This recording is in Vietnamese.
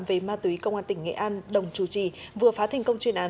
về ma túy công an tỉnh nghệ an đồng chủ trì vừa phá thành công chuyên án